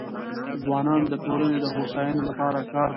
ځوانان د ټولنې د هوساینې لپاره کار کوي.